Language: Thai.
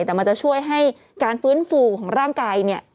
แต่มันจะช่วยให้การฟื้นฟูของร่างกายเนี่ย